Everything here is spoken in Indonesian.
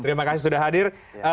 terima kasih sudah hadir